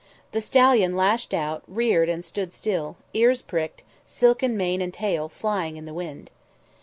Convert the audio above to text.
The stallion lashed out, reared and stood still, ears pricked, silken mane and tail flying in the wind.